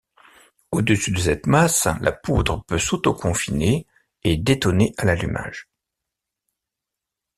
Au-dessus de cette masse, la poudre peut s'autoconfiner et détoner à l'allumage.